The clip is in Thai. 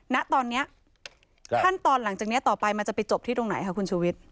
ณตอนนี้ขั้นตอนหลังจากนี้ต่อไปมันจะไปจบที่ตรงไหนค่ะคุณชุวิต